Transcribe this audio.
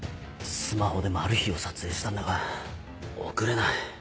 スマホでマル被を撮影したんだが送れない。